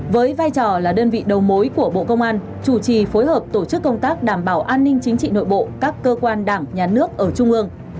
với vai trò là đơn vị đầu mối của bộ công an chủ trì phối hợp tổ chức công tác đảm bảo an ninh chính trị nội bộ các cơ quan đảng nhà nước ở trung ương